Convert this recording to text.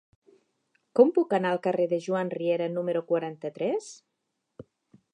Com puc anar al carrer de Joan Riera número quaranta-tres?